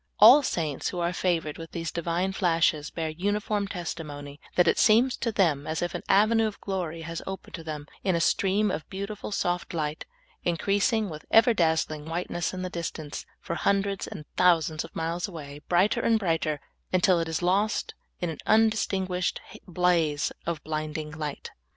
All saints who are favored with these Divine flashes bear uniform testimony that it seems to them as if an avenue of glory was opened to them in a stream of beautiful, soft light, increasing with ever dazzling whiteness in the distance, for hundreds and thousands of miles awa^^, brighter and brighter, until it is lost in an undistinguished blaze of blinding light.